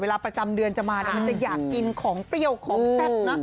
ประจำเดือนจะมามันจะอยากกินของเปรี้ยวของแซ่บนะ